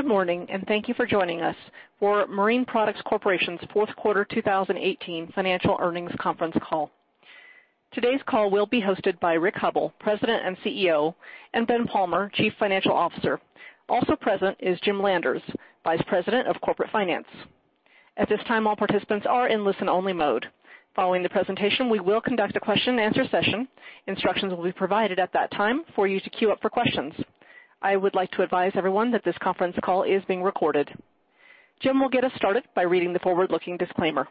Good morning, and thank you for joining us for Marine Products Corporation's fourth quarter 2018 financial earnings conference call. Today's call will be hosted by Rick Hubbell, President and CEO, and Ben Palmer, Chief Financial Officer. Also present is Jim Landers, Vice President of Corporate Finance. At this time, all participants are in listen-only mode. Following the presentation, we will conduct a question-and-answer session. Instructions will be provided at that time for you to queue up for questions. I would like to advise everyone that this conference call is being recorded. Jim will get us started by reading the forward-looking disclaimer.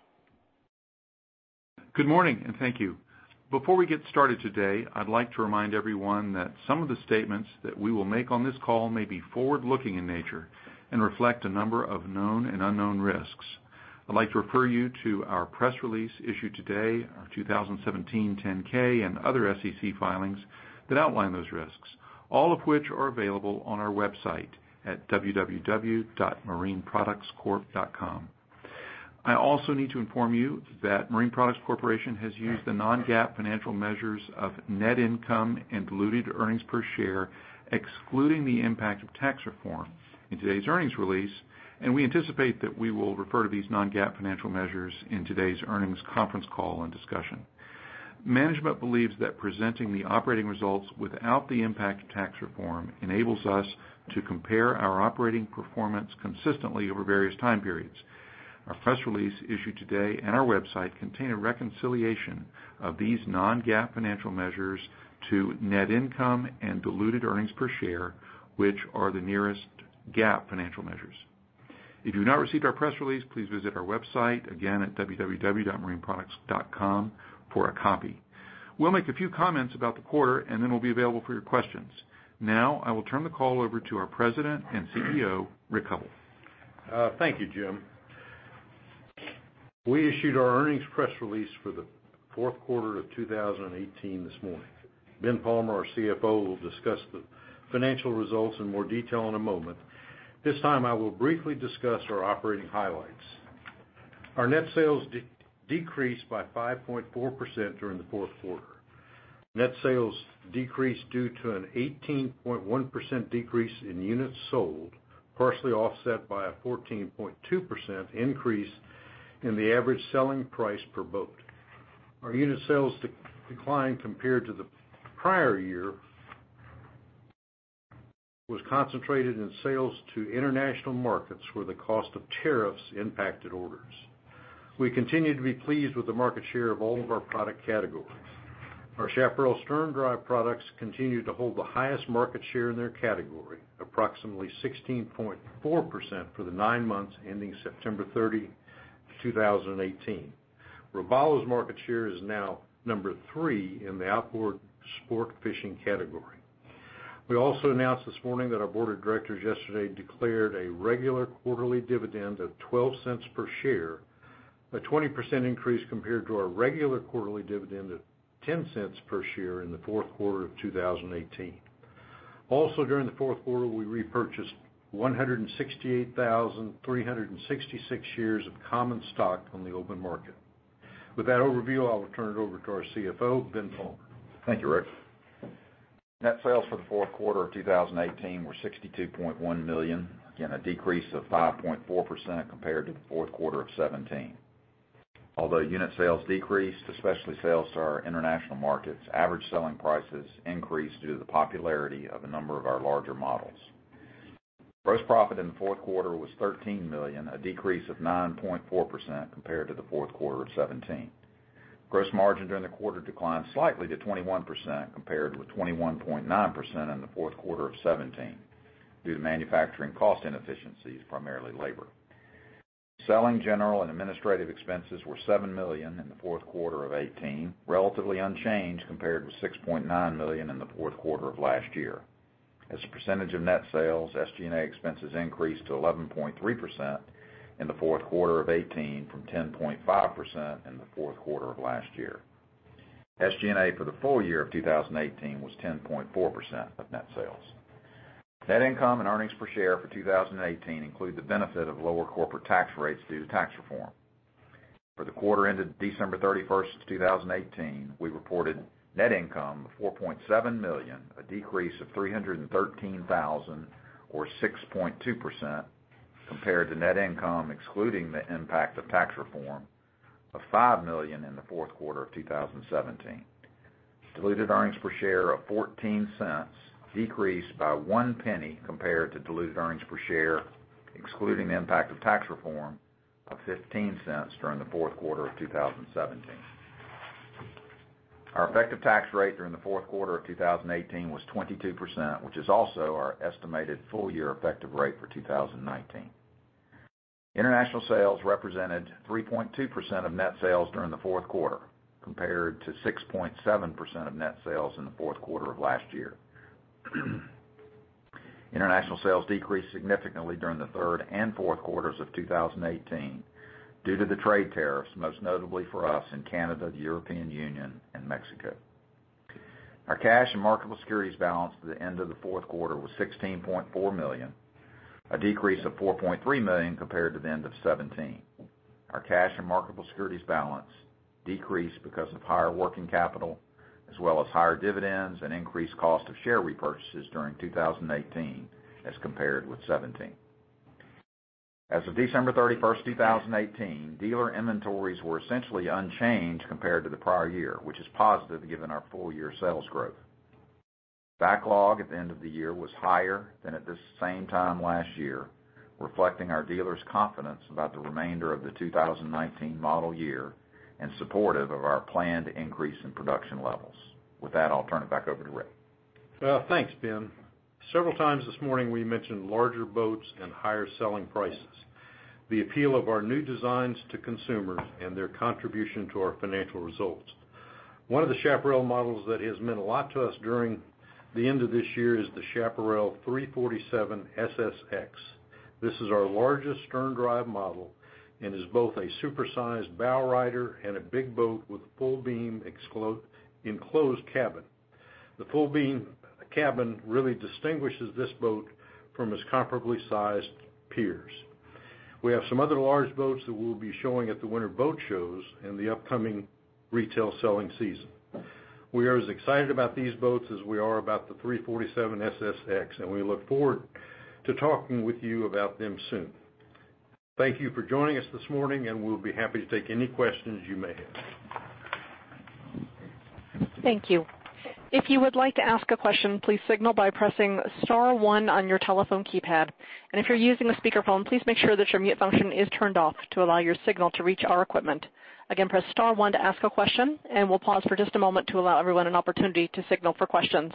Good morning, and thank you. Before we get started today, I'd like to remind everyone that some of the statements that we will make on this call may be forward-looking in nature and reflect a number of known and unknown risks. I'd like to refer you to our press release issued today, our 2017 10-K, and other SEC filings that outline those risks, all of which are available on our website at www.marineproductscorp.com. I also need to inform you that Marine Products Corporation has used the non-GAAP financial measures of net income and diluted earnings per share, excluding the impact of tax reform, in today's earnings release, and we anticipate that we will refer to these non-GAAP financial measures in today's earnings conference call and discussion. Management believes that presenting the operating results without the impact of tax reform enables us to compare our operating performance consistently over various time periods. Our press release issued today and our website contain a reconciliation of these non-GAAP financial measures to net income and diluted earnings per share, which are the nearest GAAP financial measures. If you have not received our press release, please visit our website again at www.marineproducts.com for a copy. We'll make a few comments about the quarter, and then we'll be available for your questions. Now, I will turn the call over to our President and CEO, Rich Hubbell. Thank you, Jim. We issued our earnings press release for the fourth quarter of 2018 this morning. Ben Palmer, our CFO, will discuss the financial results in more detail in a moment. This time, I will briefly discuss our operating highlights. Our net sales decreased by 5.4% during the fourth quarter. Net sales decreased due to an 18.1% decrease in units sold, partially offset by a 14.2% increase in the average selling price per boat. Our unit sales decline compared to the prior year was concentrated in sales to international markets, where the cost of tariffs impacted orders. We continue to be pleased with the market share of all of our product categories. Our Chaparral stern drive products continue to hold the highest market share in their category, approximately 16.4% for the nine months ending September 30, 2018. Robalo's market share is now number three in the outboard sport fishing category. We also announced this morning that our board of directors yesterday declared a regular quarterly dividend of $0.12 per share, a 20% increase compared to our regular quarterly dividend of $0.10 per share in the fourth quarter of 2018. Also, during the fourth quarter, we repurchased 168,366 shares of common stock on the open market. With that overview, I will turn it over to our CFO, Ben Palmer. Thank you, Rich. Net sales for the fourth quarter of 2018 were $62.1 million, again a decrease of 5.4% compared to the fourth quarter of 2017. Although unit sales decreased, especially sales to our international markets, average selling prices increased due to the popularity of a number of our larger models. Gross profit in the fourth quarter was $13 million, a decrease of 9.4% compared to the fourth quarter of 2017. Gross margin during the quarter declined slightly to 21% compared with 21.9% in the fourth quarter of 2017 due to manufacturing cost inefficiencies, primarily labor. Selling, general, and administrative expenses were $7 million in the fourth quarter of 2018, relatively unchanged compared with $6.9 million in the fourth quarter of last year. As a percentage of net sales, SG&A expenses increased to 11.3% in the fourth quarter of 2018 from 10.5% in the fourth quarter of last year. SG&A for the full year of 2018 was 10.4% of net sales. Net income and earnings per share for 2018 include the benefit of lower corporate tax rates due to tax reform. For the quarter ended December 31, 2018, we reported net income of $4.7 million, a decrease of $313,000 or 6.2% compared to net income excluding the impact of tax reform of $5 million in the fourth quarter of 2017. Diluted earnings per share of $0.14 decreased by one penny compared to diluted earnings per share excluding the impact of tax reform of $0.15 during the fourth quarter of 2017. Our effective tax rate during the fourth quarter of 2018 was 22%, which is also our estimated full-year effective rate for 2019. International sales represented 3.2% of net sales during the fourth quarter compared to 6.7% of net sales in the fourth quarter of last year. International sales decreased significantly during the third and fourth quarters of 2018 due to the trade tariffs, most notably for us in Canada, the European Union, and Mexico. Our cash and marketable securities balance at the end of the fourth quarter was $16.4 million, a decrease of $4.3 million compared to the end of 2017. Our cash and marketable securities balance decreased because of higher working capital, as well as higher dividends and increased cost of share repurchases during 2018 as compared with 2017. As of December 31, 2018, dealer inventories were essentially unchanged compared to the prior year, which is positive given our full-year sales growth. Backlog at the end of the year was higher than at the same time last year, reflecting our dealers' confidence about the remainder of the 2019 model year and supportive of our planned increase in production levels. With that, I'll turn it back over to Rich. Thanks, Ben. Several times this morning, we mentioned larger boats and higher selling prices, the appeal of our new designs to consumers, and their contribution to our financial results. One of the Chaparral models that has meant a lot to us during the end of this year is the Chaparral 347 SSX. This is our largest stern drive model and is both a supersized bow rider and a big boat with a full-beam enclosed cabin. The full-beam cabin really distinguishes this boat from its comparably sized peers. We have some other large boats that we'll be showing at the winter boat shows in the upcoming retail selling season. We are as excited about these boats as we are about the 347 SSX, and we look forward to talking with you about them soon. Thank you for joining us this morning, and we'll be happy to take any questions you may have. Thank you. If you would like to ask a question, please signal by pressing Star 1 on your telephone keypad. If you're using a speakerphone, please make sure that your mute function is turned off to allow your signal to reach our equipment. Again, press Star 1 to ask a question. We'll pause for just a moment to allow everyone an opportunity to signal for questions.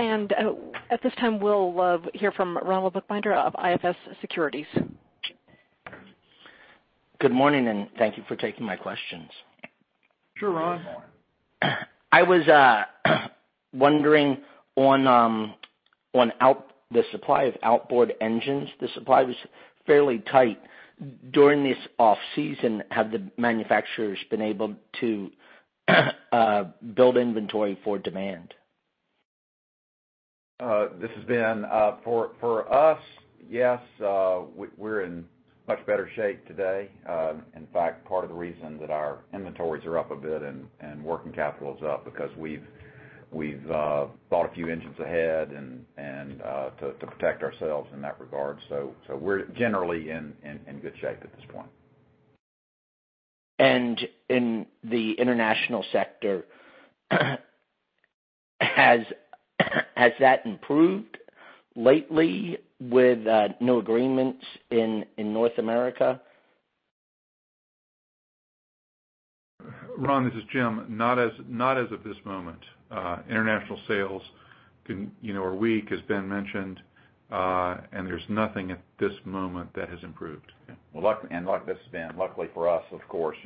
At this time, we'll hear from Ronald Bookbinder of IFS Securities. Good morning, and thank you for taking my questions. Sure, Ron. I was wondering on the supply of outboard engines, the supply was fairly tight. During this off-season, have the manufacturers been able to build inventory for demand? This has been for us, yes. We're in much better shape today. In fact, part of the reason that our inventories are up a bit and working capital is up is because we've bought a few engines ahead to protect ourselves in that regard. We're generally in good shape at this point. In the international sector, has that improved lately with new agreements in North America? Ron, this is Jim. Not as of this moment. International sales are weak, as Ben mentioned, and there's nothing at this moment that has improved. Like this has been, luckily for us, of course,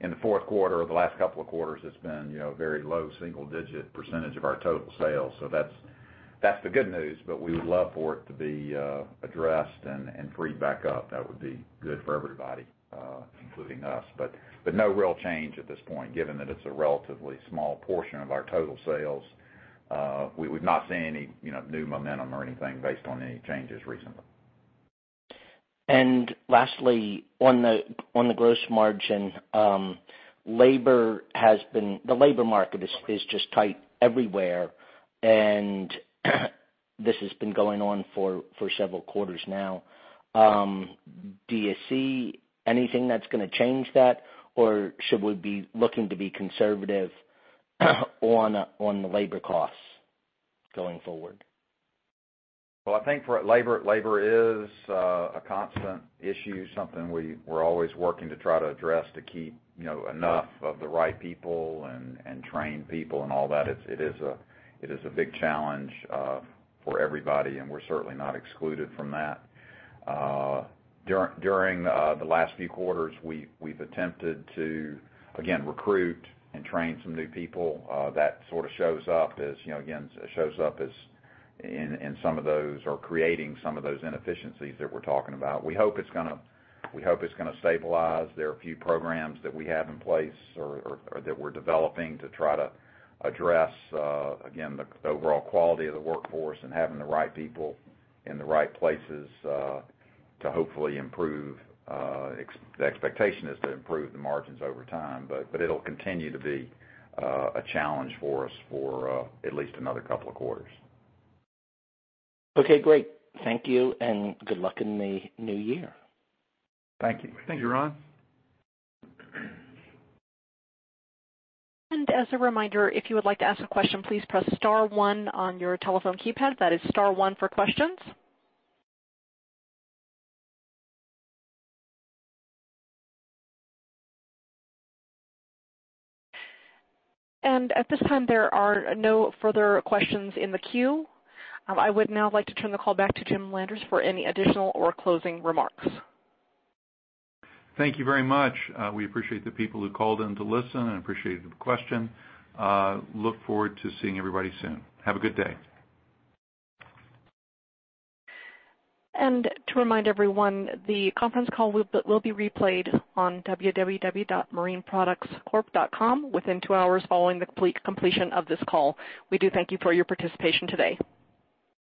in the fourth quarter or the last couple of quarters, it's been a very low single-digit % of our total sales. That is the good news, but we would love for it to be addressed and freed back up. That would be good for everybody, including us. No real change at this point, given that it's a relatively small portion of our total sales. We've not seen any new momentum or anything based on any changes recently. Lastly, on the gross margin, the labor market is just tight everywhere, and this has been going on for several quarters now. Do you see anything that's going to change that, or should we be looking to be conservative on the labor costs going forward? I think labor is a constant issue, something we're always working to try to address to keep enough of the right people and trained people and all that. It is a big challenge for everybody, and we're certainly not excluded from that. During the last few quarters, we've attempted to, again, recruit and train some new people. That sort of shows up as, again, shows up in some of those or creating some of those inefficiencies that we're talking about. We hope it's going to stabilize. There are a few programs that we have in place or that we're developing to try to address, again, the overall quality of the workforce and having the right people in the right places to hopefully improve. The expectation is to improve the margins over time, but it'll continue to be a challenge for us for at least another couple of quarters. Okay, great. Thank you, and good luck in the new year. Thank you. Thank you, Ron. As a reminder, if you would like to ask a question, please press Star 1 on your telephone keypad. That is Star 1 for questions. At this time, there are no further questions in the queue. I would now like to turn the call back to Jim Landers for any additional or closing remarks. Thank you very much. We appreciate the people who called in to listen and appreciated the question. Look forward to seeing everybody soon. Have a good day. To remind everyone, the conference call will be replayed on www.marineproductscorp.com within two hours following the completion of this call. We do thank you for your participation today.